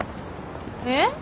えっ？